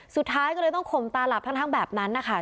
สุดท้ายก็เลยต้องข่มตาหลับทั้งแบบนั้นนะคะ